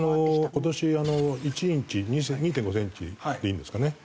今年１インチ２．５センチでいいんですかね？